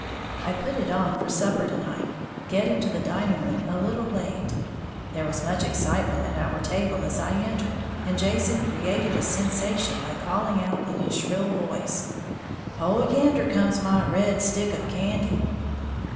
I put it on for supper to night, getting to the dining room a little late. There was much excitement at our table as I entered, and Jason created a sensation by calling out, in his shrill voice, "Oh, yander comes my red stick of candy!"